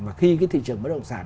và khi cái thị trường bất động sản